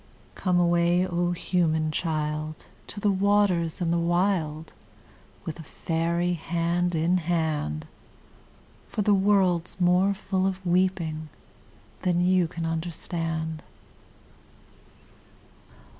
Come away, O human child! To the waters and the wild With a faery, hand in hand, For the world's more full of weeping than you can understand.